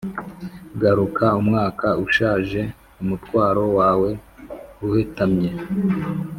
"garuka, umwaka ushaje, umutwaro wawe uhetamye.